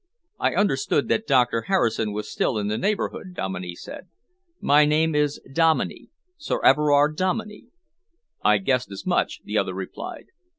"I understood that Doctor Harrison was still in the neighbourhood," Dominey said. "My name is Dominey Sir Everard Dominey." "I guessed as much," the other replied.